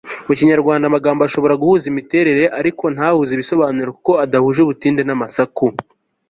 mu kinyarwanda amagambo ashobora guhuza imiterere ariko ntahuze ibisobanuro kuko abadahuje ubutinde n'amasaku